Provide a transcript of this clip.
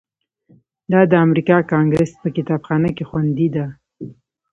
دا د امریکا کانګریس په کتابخانه کې خوندي ده.